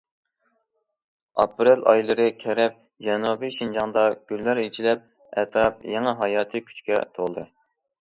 ئاپرېل ئايلىرى كىرىپ، جەنۇبىي شىنجاڭدا گۈللەر ئېچىلىپ، ئەتراپ يېڭى ھاياتىي كۈچكە تولدى.